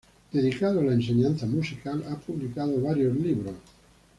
Dedicado a la enseñanza musical, ha publicado varios libros.